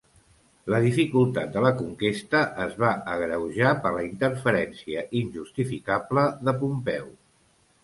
La dificultat de la conquesta es va agreujar per la interferència injustificable de Pompeu.